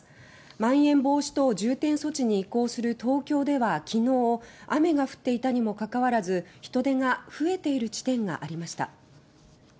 まん延防止等重点措置に移行する東京ではきのう雨が降っていたにもかかわらず人出が増えている地点がありました。